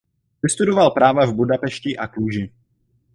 Vystudoval práva v Budapešti a Kluži.